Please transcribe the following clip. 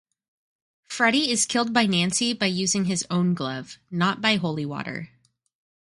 Freddy is killed by Nancy by using his own glove, not by holy water.